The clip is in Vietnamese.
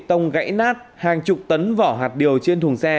toàn bộ hàng rào nhà dân bị tông gãy nát hàng chục tấn vỏ hạt điều trên thùng xe